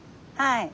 はい。